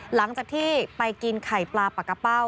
หลังจากที่ไปกินไข่ปลาปากกะเป้า